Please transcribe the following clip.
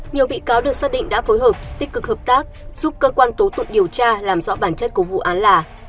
nhiều bị cáo được xác định đã phối hợp tích cực hợp tác giúp cơ quan tố tụng điều tra làm rõ bản chất của vụ án là